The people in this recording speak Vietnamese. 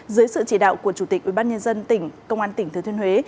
dưới sự chỉ đạo của chủ tịch ubnd tỉnh công an tỉnh thứ thiên huế